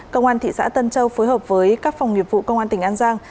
công an thị xã tân châu phối hợp với các phòng nghiệp vụ công an tỉnh an giang